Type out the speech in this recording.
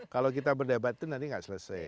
kalau kita berdebat itu nanti nggak selesai